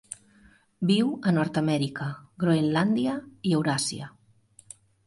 Viu a Nord-amèrica, Groenlàndia i Euràsia.